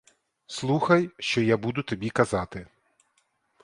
Слухай, що я буду тобі казати.